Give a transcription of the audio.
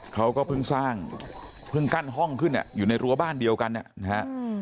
เขาก็เพิ่งสร้างเพิ่งกั้นห้องขึ้นอยู่ในรั้วบ้านเดียวกันนะฮะ